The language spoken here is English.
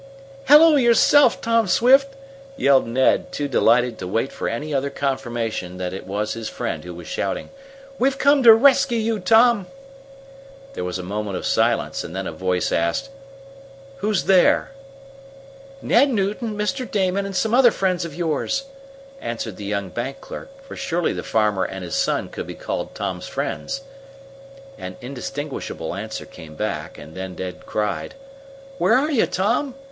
"Hello yourself, Tom Swift!" yelled Ned, too delighted to wait for any other confirmation that it was his friend who was shouting. "We've come to rescue you, Tom!" There was a moment of silence, and then a voice asked: "Who is there?" "Ned Newton, Mr. Damon, and some other friends of yours!" answered the young bank clerk, for surely the farmer and his son could be called Tom's friends. An indistinguishable answer came back, and then Ned cried: "Where are you, Tom?